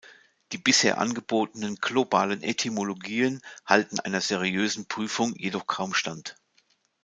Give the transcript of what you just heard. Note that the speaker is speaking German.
Die bisher angebotenen „globalen Etymologien“ halten einer seriösen Prüfung jedoch kaum stand.